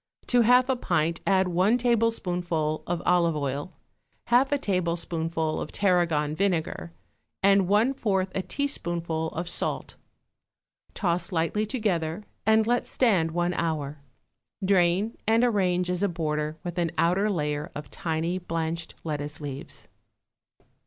To half a pint add one tablespoonful of olive oil, half a tablespoonful of tarragon vinegar and one fourth a teaspoonful of salt; toss lightly together and let stand one hour; drain, and arrange as a border with an outer layer of tiny blanched lettuce leaves.